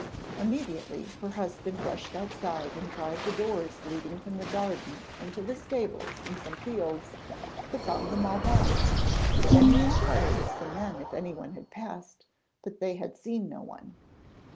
Immediately her husband rushed outside and tried the doors leading from the garden into the stables and some fields, but found them all barred. Then he inquired of some men if anyone had passed, but they had seen no one.